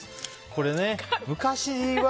これね、昔は。